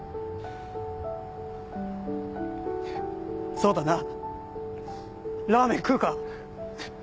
そうだなラーメン食うか。